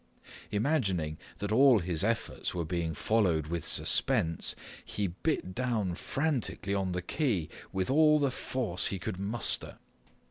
Imagining that all his efforts were being followed with suspense, he bit down frantically on the key with all the force he could muster.